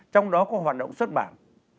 trong đó có hoạt động xuất bản